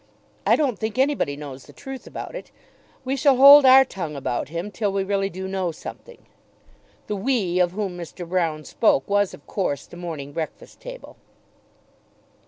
I don't think anybody knows the truth about it. We shall hold our tongue about him till we really do know something." The "we" of whom Mr. Broune spoke was, of course, the "Morning Breakfast Table."